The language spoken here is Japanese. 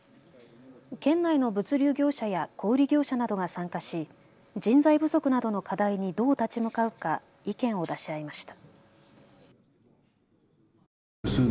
県内の物流業者や小売業者などが参加し、人材不足などの課題にどう立ち向かうか意見を出し合いました。